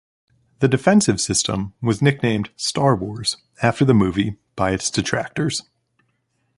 The defensive system was nicknamed Star Wars, after the movie, by its detractors.